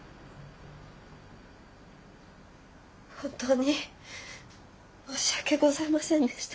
本当に申し訳ございませんでした。